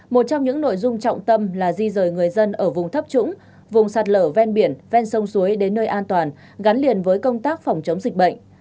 một trong những nội dung trọng tâm là di rời người dân ở vùng thấp trũng vùng sạt lở ven biển ven sông suối đến nơi an toàn gắn liền với công tác phòng chống dịch bệnh